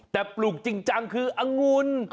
แต่ปลูกจริงจังคือองุล